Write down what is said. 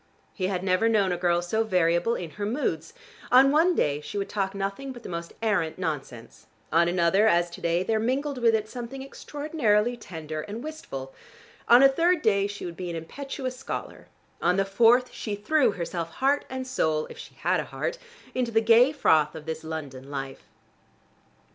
He had never known a girl so variable in her moods: on one day she would talk nothing but the most arrant nonsense; on another, as to day, there mingled with it something extraordinarily tender and wistful; on a third day she would be an impetuous scholar; on the fourth she threw herself heart and soul (if she had a heart) into the gay froth of this London life.